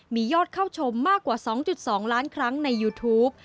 มียอดเข้าชมมากกว่า๒๒ล้านครั้งในยูทูป